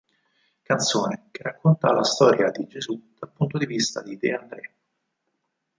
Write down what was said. Canzone che racconta la storia di Gesù dal punto di vista di De André.